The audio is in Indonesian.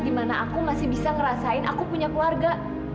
dimana aku masih bisa ngerasain aku punya keluarga